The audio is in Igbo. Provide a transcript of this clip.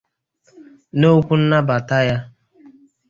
N'okwu nnabata ya